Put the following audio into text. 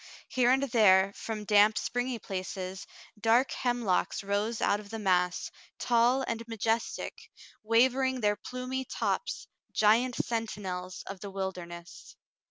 Here and there, from damp, spring^^ places, dark hemlocks rose out of the mass, tall and majestic, waving their plumy tops, giant sentinels of the wilderness.